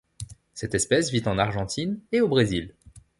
Cette espèce vit en Argentine et au Brésil.